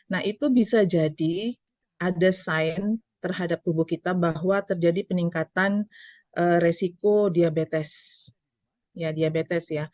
nah itu bisa jadi ada sign terhadap tubuh kita bahwa terjadi peningkatan resiko diabetes